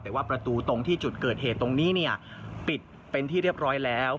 แต่ว่าประตูตรงที่จุดเกิดเหตุตรงนี้เนี่ยปิดเป็นที่เรียบร้อยแล้ว